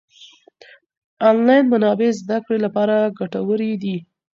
انلاين منابع زده کړې لپاره ګټورې دي.